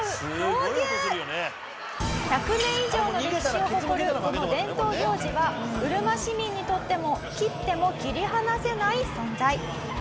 １００年以上の歴史を誇るこの伝統行事はうるま市民にとっても切っても切り離せない存在。